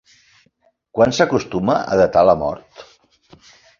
Quan s'acostuma a datar la mort?